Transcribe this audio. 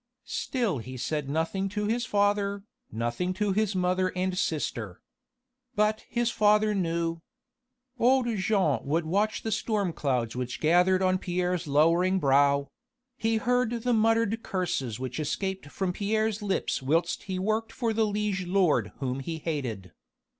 Still he said nothing to his father, nothing to his mother and sister. But his father knew. Old Jean would watch the storm clouds which gathered on Pierre's lowering brow; he heard the muttered curses which escaped from Pierre's lips whilst he worked for the liege lord whom he hated.